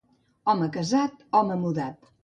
Home casat, home mudat.